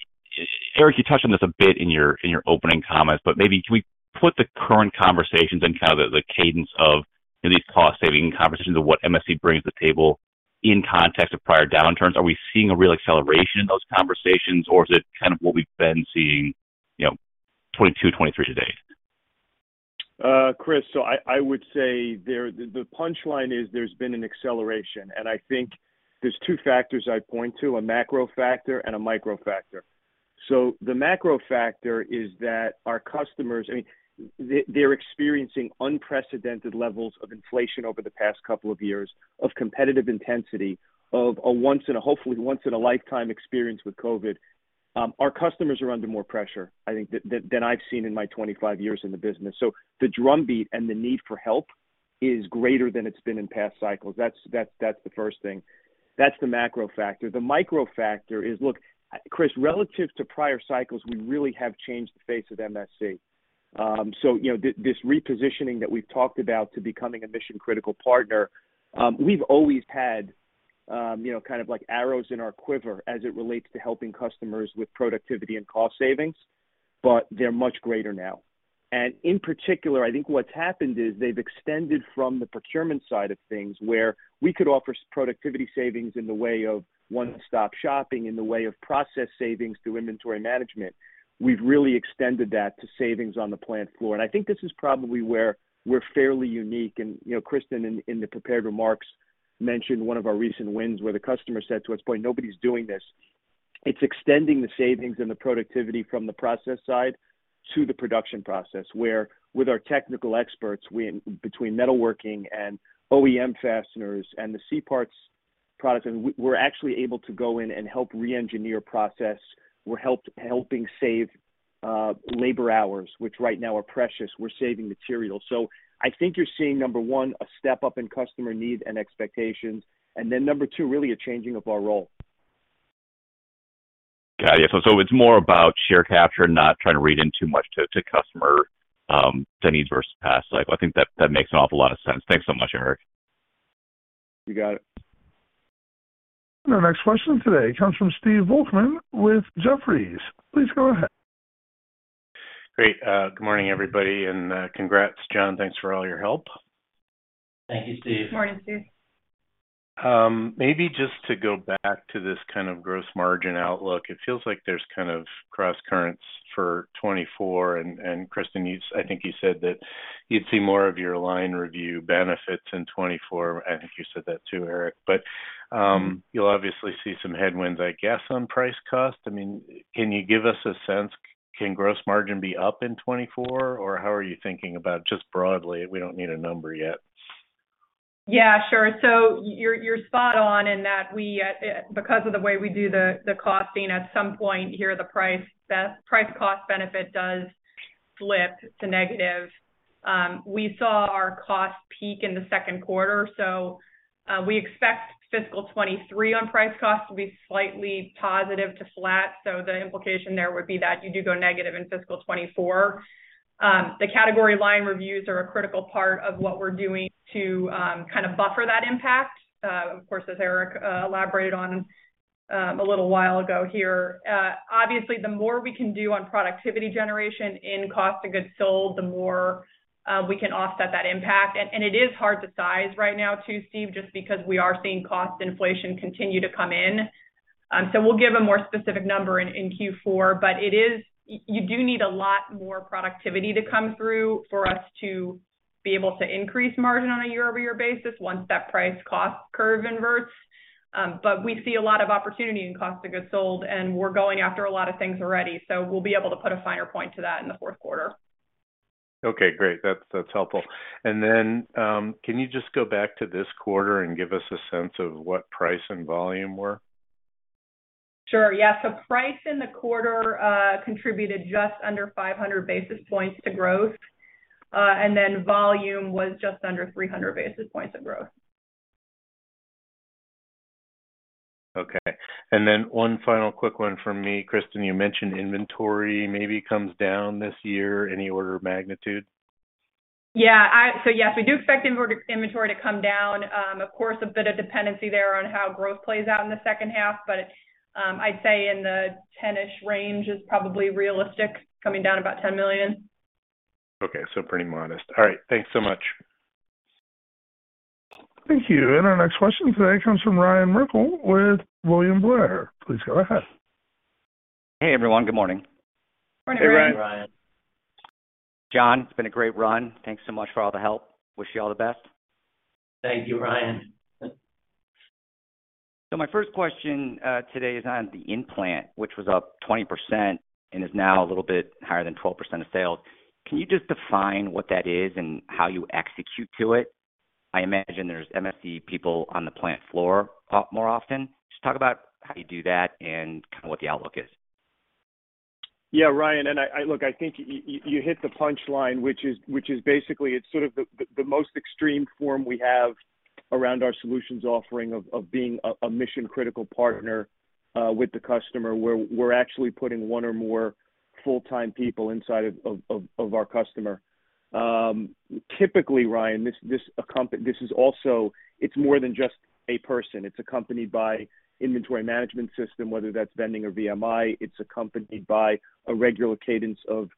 Erik, you touched on this a bit in your, in your opening comments, but maybe can we put the current conversations in kind of the cadence of these cost saving conversations of what MSC brings to the table in context of prior downturns? Are we seeing a real acceleration in those conversations, or is it kind of what we've been seeing, you know, 2022, 2023 today? Chris, I would say the punchline is there's been an acceleration, and I think there's two factors I'd point to, a macro factor and a micro factor. The macro factor is that our customers, I mean, they're experiencing unprecedented levels of inflation over the past couple of years of competitive intensity of a once in a lifetime experience with COVID. Our customers are under more pressure, I think, than I've seen in my 25 years in the business. The drumbeat and the need for help is greater than it's been in past cycles. That's the first thing. That's the macro factor. The micro factor is, look, Chris, relative to prior cycles, we really have changed the face of MSC. You know, this repositioning that we've talked about to becoming a Mission Critical partner, we've always had, you know, kind of like arrows in our quiver as it relates to helping customers with productivity and cost savings, but they're much greater now. In particular, I think what's happened is they've extended from the procurement side of things where we could offer productivity savings in the way of one-stop shopping, in the way of process savings through inventory management. We've really extended that to savings on the plant floor. I think this is probably where we're fairly unique. You know, Kristen, in the prepared remarks, mentioned one of our recent wins where the customer said to us, "Boy, nobody's doing this." It's extending the savings and the productivity from the process side to the production process, where with our technical experts win between metalworking and OEM fasteners and the C parts products, and we're actually able to go in and help reengineer process. We're helping save labor hours, which right now are precious. We're saving materials. I think you're seeing, number one, a step up in customer need and expectations, and then number two, really a changing of our role. Got it. It's more about share capture, not trying to read in too much to customer needs versus past life. I think that makes an awful lot of sense. Thanks so much, Erik. You got it. Our next question today comes from Stephen Volkmann with Jefferies. Please go ahead. Great. good morning, everybody, and congrats, John. Thanks for all your help. Thank you, Steve. Morning, Steve. maybe just to go back to this kind of gross margin outlook, it feels like there's kind of crosscurrents for 2024 and Kristen, you I think you said that you'd see more of your line review benefits in 2024. I think you said that too, Erik. You'll obviously see some headwinds, I guess, on price cost. I mean, can you give us a sense, can gross margin be up in 2024, or how are you thinking about just broadly, we don't need a number yet? Yeah, sure. You're, you're spot on in that we, because of the way we do the costing, at some point here, the price cost benefit does flip to negative. We saw our cost peak in the second quarter. We expect fiscal 2023 on price cost to be slightly positive to flat. The implication there would be that you do go negative in fiscal 2024. The category line reviews are a critical part of what we're doing to kind of buffer that impact. Of course, as Erik elaborated on a little while ago here. Obviously, the more we can do on productivity generation in cost of goods sold, the more we can offset that impact. It is hard to size right now too, Stephen, just because we are seeing cost inflation continue to come in. We'll give a more specific number in Q4, but it is. You do need a lot more productivity to come through for us to be able to increase margin on a year-over-year basis once that price cost curve inverts. We see a lot of opportunity in cost of goods sold, and we're going after a lot of things already. We'll be able to put a finer point to that in the fourth quarter. Okay, great. That's helpful. Then, can you just go back to this quarter and give us a sense of what price and volume were? Sure, yeah. Price in the quarter contributed just under 500 basis points to growth. Volume was just under 300 basis points of growth. Okay. one final quick one from me. Kristen, you mentioned inventory maybe comes down this year. Any order of magnitude? Yes, we do expect inventory to come down. Of course, a bit of dependency there on how growth plays out in the second half, but, I'd say in the 10-ish range is probably realistic, coming down about $10 million. Okay. Pretty modest. All right. Thanks so much. Thank you. Our next question today comes from Ryan Merkel with William Blair. Please go ahead. Hey, everyone. Good morning. Morning, Ryan. Hey, Ryan. John, it's been a great run. Thanks so much for all the help. Wish you all the best. Thank you, Ryan. My first question, today is on the implant, which was up 20% and is now a little bit higher than 12% of sales. Can you just define what that is and how you execute to it? I imagine there's MSC people on the plant floor a lot more often. Just talk about how you do that and kind of what the outlook is. Ryan, I think you hit the punchline, which is basically it's sort of the most extreme form we have around our solutions offering of being a Mission Critical partner with the customer, where we're actually putting one or more full-time people inside of our customer. Typically, Ryan, it's more than just a person. It's accompanied by inventory management system, whether that's vending or VMI. It's accompanied by a regular cadence of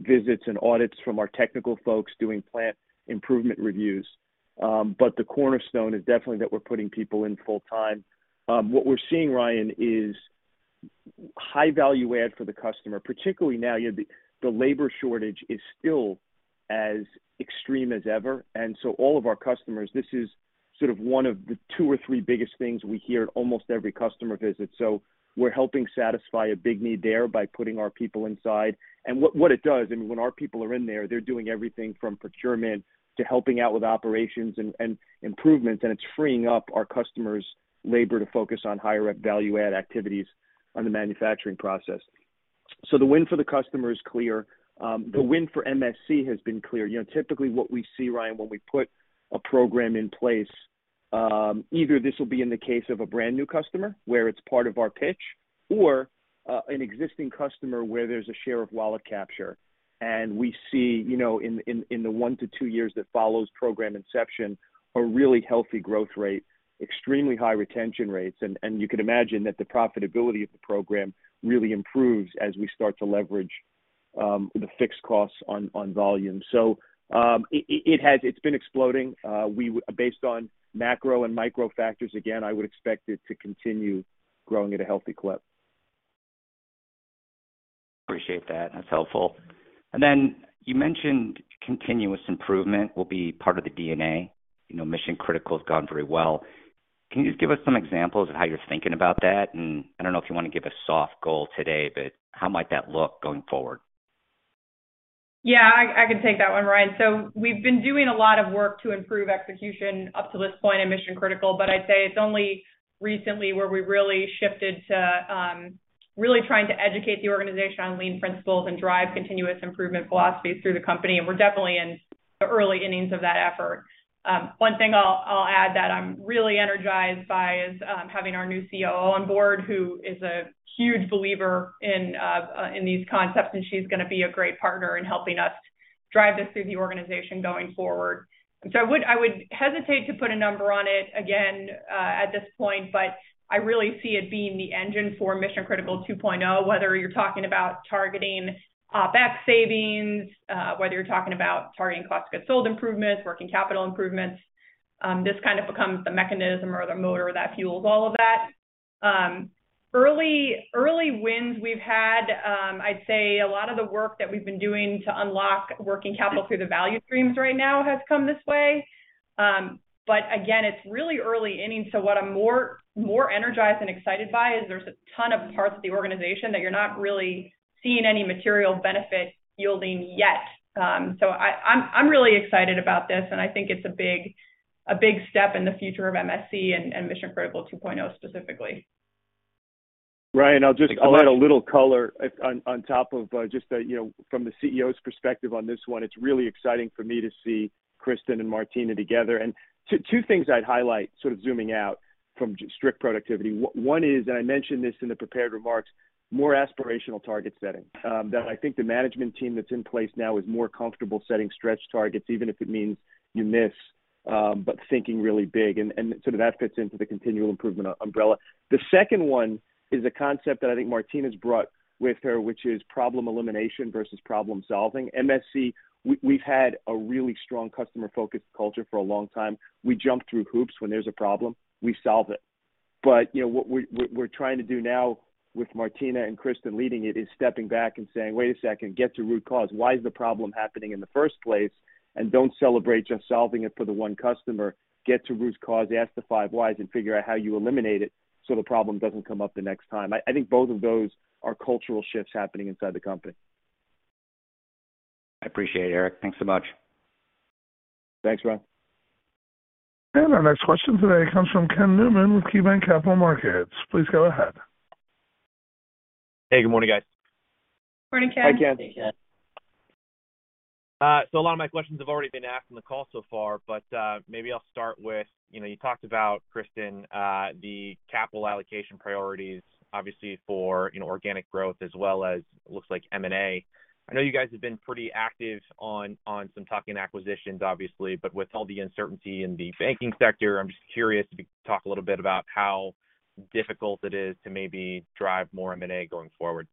visits and audits from our technical folks doing plant improvement reviews. The cornerstone is definitely that we're putting people in full time. What we're seeing, Ryan, is high value add for the customer, particularly now. You know, the labor shortage is still as extreme as ever. All of our customers, this is sort of one of the two or three biggest things we hear at almost every customer visit. We're helping satisfy a big need there by putting our people inside. What it does, I mean, when our people are in there, they're doing everything from procurement to helping out with operations and improvements, and it's freeing up our customers' labor to focus on higher value add activities on the manufacturing process. The win for the customer is clear. The win for MSC has been clear. You know, typically what we see, Ryan, when we put a program in place, either this will be in the case of a brand new customer, where it's part of our pitch, or an existing customer where there's a share of wallet capture. We see, you know, in the 1-2 years that follows program inception, a really healthy growth rate, extremely high retention rates. You can imagine that the profitability of the program really improves as we start to leverage the fixed costs on volume. It's been exploding. We based on macro and micro factors, again, I would expect it to continue growing at a healthy clip. Appreciate that. That's helpful. You mentioned continuous improvement will be part of the DNA. You know, Mission Critical has gone very well. Can you just give us some examples of how you're thinking about that? I don't know if you want to give a soft goal today, but how might that look going forward? Yeah, I can take that one, Ryan. We've been doing a lot of work to improve execution up to this point in Mission Critical, but I'd say it's only recently where we really shifted to really trying to educate the organization on lean principles and drive continuous improvement philosophies through the company. We're definitely in the early innings of that effort. One thing I'll add that I'm really energized by is having our new COO on board, who is a huge believer in these concepts, and she's gonna be a great partner in helping us drive this through the organization going forward. I would hesitate to put a number on it again, at this point, but I really see it being the engine for Mission Critical 2.0, whether you're talking about targeting back savings, whether you're talking about targeting cost of goods sold improvements, working capital improvements, this kind of becomes the mechanism or the motor that fuels all of that. Early wins we've had, I'd say a lot of the work that we've been doing to unlock working capital through the value streams right now has come this way. But again, it's really early innings. What I'm more energized and excited by is there's a ton of parts of the organization that you're not really seeing any material benefit yielding yet. I'm really excited about this, and I think it's a big step in the future of MSC and Mission Critical 2.0 specifically. Ryan, I'll just add a little color on top of, you know, from the CEO's perspective on this one. It's really exciting for me to see Kristen and Martina together. Two things I'd highlight sort of zooming out from strict productivity. One is, and I mentioned this in the prepared remarks, more aspirational target setting. That I think the management team that's in place now is more comfortable setting stretch targets, even if it means you miss, but thinking really big, and so that fits into the continual improvement umbrella. The second one is a concept that I think Martina's brought with her, which is problem elimination versus problem-solving. MSC, we've had a really strong customer-focused culture for a long time. We jump through hoops when there's a problem, we solve it. You know, what we're trying to do now with Martina and Kristen leading it is stepping back and saying, "Wait a second, get to root cause. Why is the problem happening in the first place? Don't celebrate just solving it for the one customer. Get to root cause, ask the five whys, and figure out how you eliminate it so the problem doesn't come up the next time." I think both of those are cultural shifts happening inside the company. I appreciate it, Erik. Thanks so much. Thanks, Ryan. Our next question today comes from Ken Newman with KeyBanc Capital Markets. Please go ahead. Hey, good morning, guys. Morning, Ken. Hi, Ken. A lot of my questions have already been asked on the call so far, but, maybe I'll start with, you know, you talked about Kristen, the capital allocation priorities obviously for, you know, organic growth as well as looks like M&A. I know you guys have been pretty active on some tuck-in acquisitions obviously, but with all the uncertainty in the banking sector, I'm just curious if you could talk a little bit about how difficult it is to maybe drive more M&A going forward.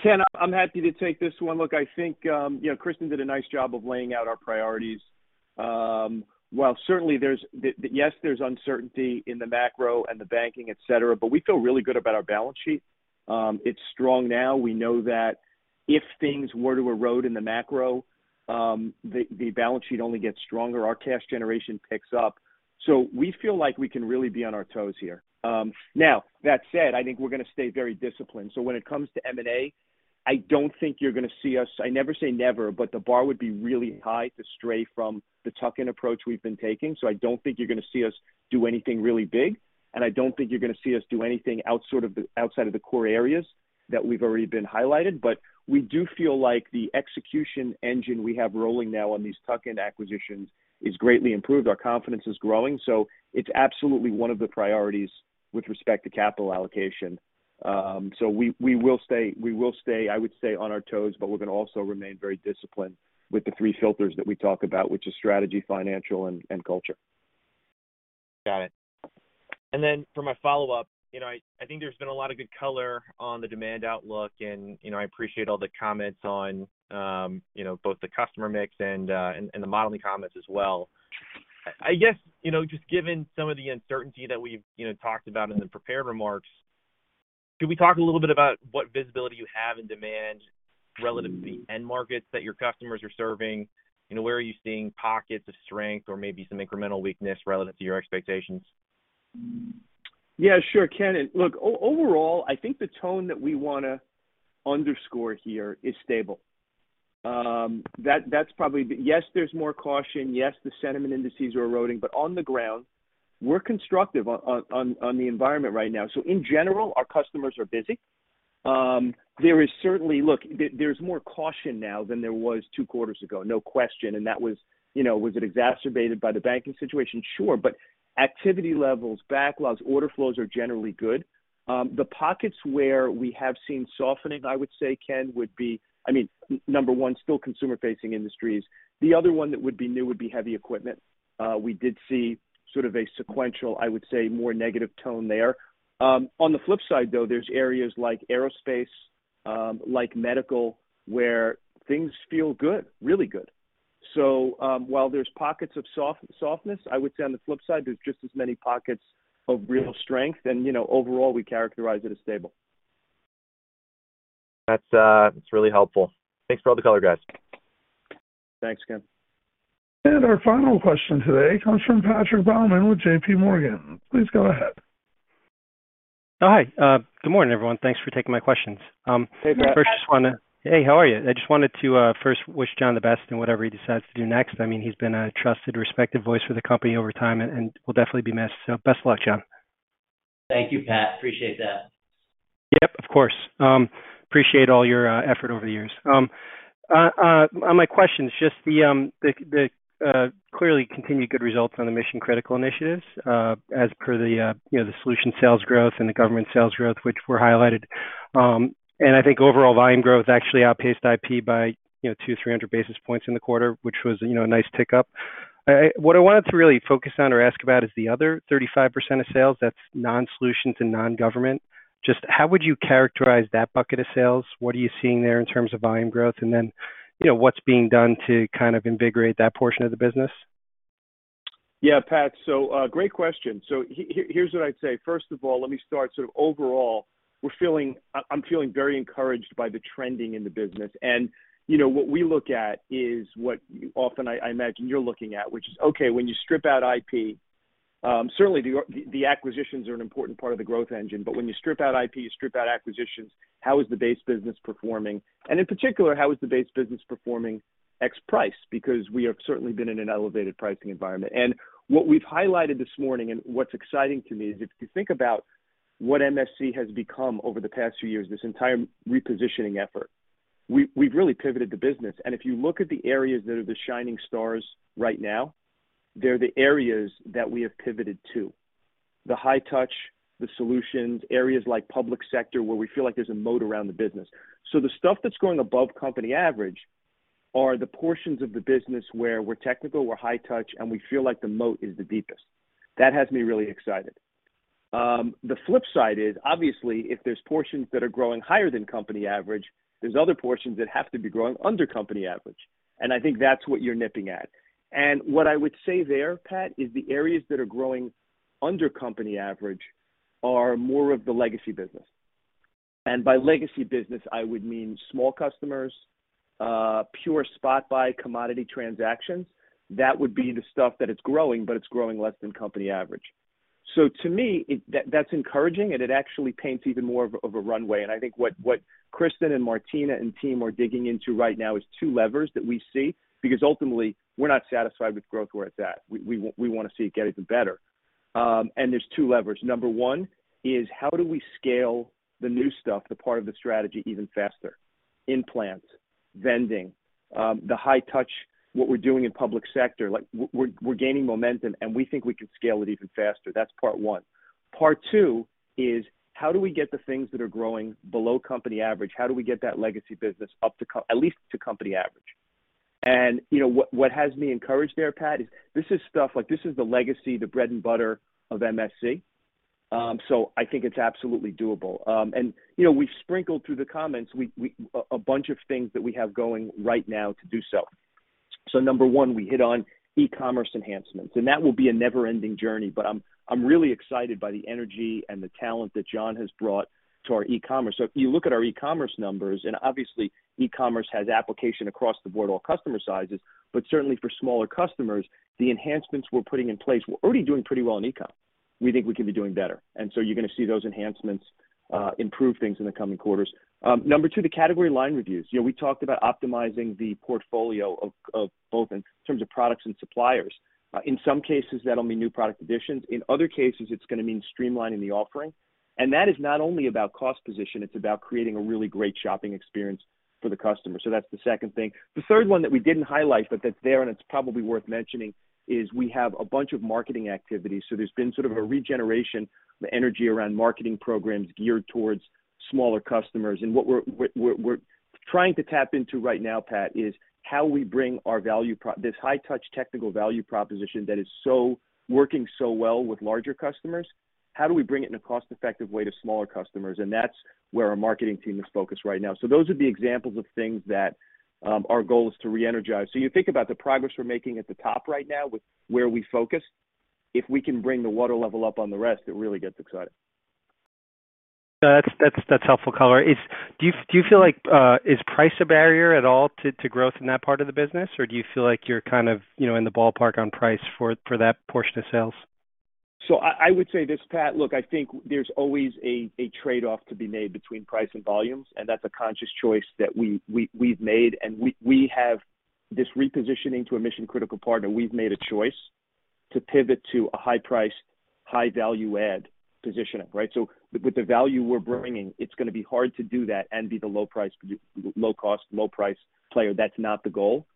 Ken, I'm happy to take this one. Look, I think, you know, Kristen did a nice job of laying out our priorities. While certainly there's uncertainty in the macro and the banking, etc., but we feel really good about our balance sheet. It's strong now. We know that if things were to erode in the macro, the balance sheet only gets stronger. Our cash generation picks up. We feel like we can really be on our toes here. Now that said, I think we're gonna stay very disciplined. When it comes to M&A, I don't think you're gonna see us, I never say never, but the bar would be really high to stray from the tuck-in approach we've been taking. I don't think you're gonna see us do anything really big, and I don't think you're gonna see us do anything outside of the core areas that we've already been highlighted. We do feel like the execution engine we have rolling now on these tuck-in acquisitions is greatly improved. Our confidence is growing. It's absolutely one of the priorities with respect to capital allocation. We will stay, I would say, on our toes, but we're gonna also remain very disciplined with the three filters that we talk about, which is strategy, financial, and culture. Got it. For my follow-up, you know, I think there's been a lot of good color on the demand outlook and, you know, I appreciate all the comments on, you know, both the customer mix and the modeling comments as well. I guess, you know, just given some of the uncertainty that we've, you know, talked about in the prepared remarks, could we talk a little bit about what visibility you have in demand relative to the end markets that your customers are serving? You know, where are you seeing pockets of strength or maybe some incremental weakness relative to your expectations? Yeah, sure, Ken. Look, overall, I think the tone that we wanna underscore here is stable. Yes, there's more caution. Yes, the sentiment indices are eroding, but on the ground, we're constructive on the environment right now. In general, our customers are busy. Look, there's more caution now than there was two quarters ago, no question. That was, you know, was it exacerbated by the banking situation? Sure. Activity levels, backlogs, order flows are generally good. The pockets where we have seen softening, I would say, Ken, would be, I mean, number one, still consumer-facing industries. The other 1 that would be new would be heavy equipment. We did see sort of a sequential, I would say, more negative tone there. On the flip side, though, there's areas like aerospace, like medical, where things feel good, really good. While there's pockets of softness, I would say on the flip side, there's just as many pockets of real strength. You know, overall, we characterize it as stable. That's really helpful. Thanks for all the color, guys. Thanks, Ken. Our final question today comes from Patrick Baumann with JPMorgan. Please go ahead. Oh, hi. Good morning, everyone. Thanks for taking my questions. Hey, Pat. Hey, how are you? I just wanted to first wish John the best in whatever he decides to do next. I mean, he's been a trusted, respected voice for the company over time and will definitely be missed. Best of luck, John. Thank you, Pat. Appreciate that. Yep, of course. Appreciate all your effort over the years. On my questions, just the clearly continued good results on the Mission Critical initiatives, as per the, you know, the solution sales growth and the government sales growth, which were highlighted. I think overall volume growth actually outpaced IP by, you know, 200-300 basis points in the quarter, which was, you know, a nice tick-up. What I wanted to really focus on or ask about is the other 35% of sales that's non-solutions and non-government. Just how would you characterize that bucket of sales? What are you seeing there in terms of volume growth? Then, you know, what's being done to kind of invigorate that portion of the business? Yeah, Pat. Great question. Here's what I'd say. First of all, let me start sort of overall, I'm feeling very encouraged by the trending in the business. You know, what we look at is what often I imagine you're looking at, which is okay when you strip out IP, certainly the acquisitions are an important part of the growth engine, but when you strip out IP, you strip out acquisitions, how is the base business performing? In particular, how is the base business performing ex price? Because we have certainly been in an elevated pricing environment. What we've highlighted this morning, and what's exciting to me is if you think about what MSC has become over the past few years, this entire repositioning effort. We've really pivoted the business. If you look at the areas that are the shining stars right now, they're the areas that we have pivoted to. The high touch, the solutions, areas like public sector, where we feel like there's a moat around the business. The stuff that's going above company average are the portions of the business where we're technical, we're high touch, and we feel like the moat is the deepest. That has me really excited. The flip side is obviously, if there's portions that are growing higher than company average, there's other portions that have to be growing under company average. I think that's what you're nipping at. What I would say there, Pat, is the areas that are growing under company average are more of the legacy business. By legacy business, I would mean small customers, pure spot buy commodity transactions. That would be the stuff that it's growing, but it's growing less than company average. To me, that's encouraging, and it actually paints even more of a runway. I think what Kristen and Martina and team are digging into right now is 2 levers that we see. Ultimately, we're not satisfied with growth where it's at. We wanna see it get even better. There's 2 levers. Number 1 is, how do we scale the new stuff, the part of the strategy, even faster? Implants, vending, the high touch, what we're doing in public sector. Like, we're gaining momentum, and we think we can scale it even faster. That's part one. Part two is how do we get the things that are growing below company average, how do we get that legacy business up to at least to company average? You know, what has me encouraged there, Pat, is this is stuff, like, this is the legacy, the bread and butter of MSC. I think it's absolutely doable. You know, we've sprinkled through the comments, we a bunch of things that we have going right now to do so. Number one, we hit on E-Commerce enhancements, and that will be a never-ending journey. I'm really excited by the energy and the talent that John has brought to our E-Commerce. If you look at our E-Commerce numbers, and obviously E-Commerce has application across the board, all customer sizes. Certainly for smaller customers, the enhancements we're putting in place, we're already doing pretty well in E-Commerce. We think we can be doing better, and so you're gonna see those enhancements improve things in the coming quarters. Number two, the category line reviews. You know, we talked about optimizing the portfolio of both in terms of products and suppliers. In some cases, that'll mean new product additions. In other cases, it's gonna mean streamlining the offering. That is not only about cost position, it's about creating a really great shopping experience for the customer. That's the second thing. The third one that we didn't highlight, but that's there, and it's probably worth mentioning, is we have a bunch of marketing activities. There's been sort of a regeneration, the energy around marketing programs geared towards smaller customers. What we're trying to tap into right now, Pat, is how we bring this high touch technical value proposition that is so working so well with larger customers, how do we bring it in a cost-effective way to smaller customers? That's where our marketing team is focused right now. Those are the examples of things that our goal is to re-energize. You think about the progress we're making at the top right now with where we focus. If we can bring the water level up on the rest, it really gets exciting. That's helpful color. Do you feel like is price a barrier at all to growth in that part of the business or do you feel like you're kind of, you know, in the ballpark on price for that portion of sales? I would say this, Pat. Look, I think there's always a trade-off to be made between price and volumes, and that's a conscious choice that we've made. We have this repositioning to a Mission Critical partner. We've made a choice to pivot to a high price, high value add positioning, right? With the value we're bringing, it's gonna be hard to do that and be the low price, low cost, low price player. That's not the goal.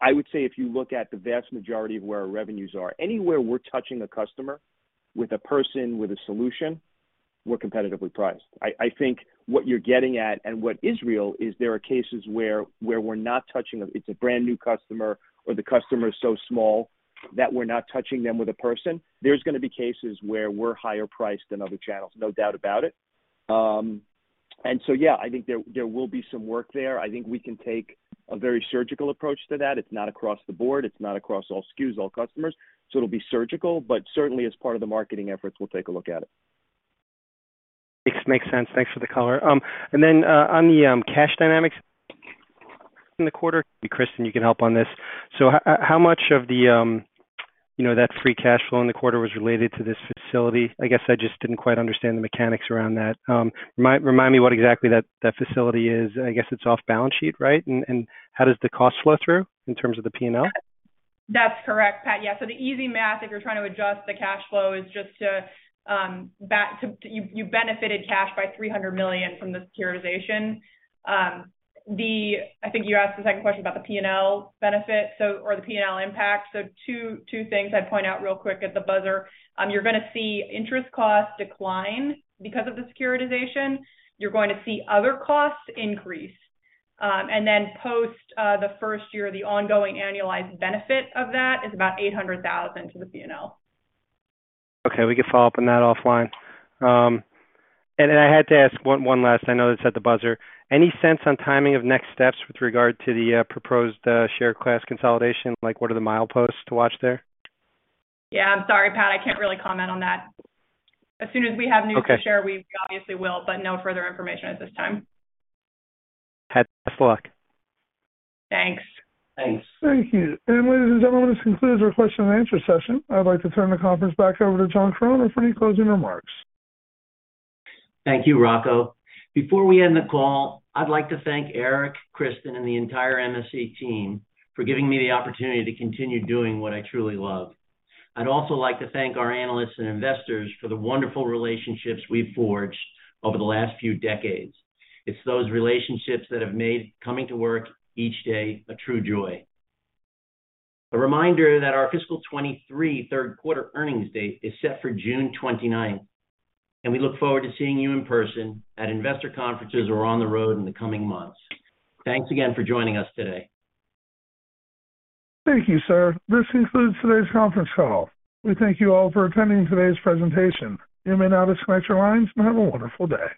I would say if you look at the vast majority of where our revenues are, anywhere we're touching a customer with a person, with a solution, we're competitively priced. I think what you're getting at and what is real is there are cases where we're not touching them, it's a brand-new customer, or the customer is so small that we're not touching them with a person, there's gonna be cases where we're higher priced than other channels, no doubt about it. yeah, I think there will be some work there. I think we can take a very surgical approach to that. It's not across the board, it's not across all SKUs, all customers, it'll be surgical, certainly as part of the marketing efforts, we'll take a look at it. Makes sense. Thanks for the color. Then on the cash dynamics in the quarter, maybe Kristen you can help on this. How much of the, you know, that free cash flow in the quarter was related to this facility? I guess I just didn't quite understand the mechanics around that, remind me what exactly that facility is. I guess it's off balance sheet, right? And how does the cost flow through in terms of the P&L? That's correct, Pat. The easy math, if you're trying to adjust the cash flow, is just to benefit cash by $300 million from the securitization. I think you asked the second question about the P&L benefit or the P&L impact. Two things I'd point out real quick at the buzzer. You're gonna see interest costs decline because of the securitization. You're going to see other costs increase. Post the 1st year, the ongoing annualized benefit of that is about $800,000 to the P&L. Okay, we could follow up on that offline. I had to ask one last. I know it's at the buzzer. Any sense on timing of next steps with regard to the proposed share class consolidation? Like, what are the mileposts to watch there? Yeah. I'm sorry, Pat, I can't really comment on that. As soon as we have news- Okay. To share, we obviously will, but no further information at this time. Best of luck. Thanks. Thanks. Thank you. Ladies and gentlemen, this concludes our question and answer session. I'd like to turn the conference back over to John Chironna for any closing remarks. Thank you, Rocco. Before we end the call, I'd like to thank Erik, Kristen, and the entire MSC team for giving me the opportunity to continue doing what I truly love. I'd also like to thank our analysts and investors for the wonderful relationships we've forged over the last few decades. It's those relationships that have made coming to work each day a true joy. A reminder that our fiscal 2023 third quarter earnings date is set for June 29th. We look forward to seeing you in person at investor conferences or on the road in the coming months. Thanks again for joining us today. Thank you, sir. This concludes today's conference call. We thank you all for attending today's presentation. You may now disconnect your lines, and have a wonderful day.